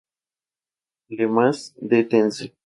Le Mas-de-Tence